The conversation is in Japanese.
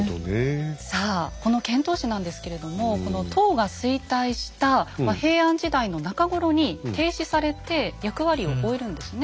さあこの遣唐使なんですけれどもこの唐が衰退した平安時代の中頃に停止されて役割を終えるんですよね。